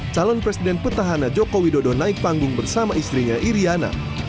calon presiden petahana joko widodo naik panggung bersama istrinya iryana